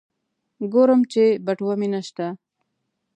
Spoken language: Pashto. ګورم چې بټوه مې نشته.